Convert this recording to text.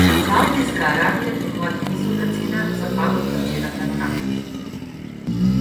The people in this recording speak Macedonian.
Саудиска Арабија ќе плати висока цена за падот на цената на нафтата